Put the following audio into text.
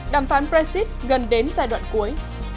đàm phán brexit gần đến giai đoạn cuối